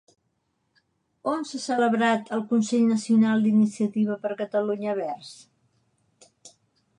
On s'ha celebrat el Consell Nacional d'Iniciativa per Catalunya Verds?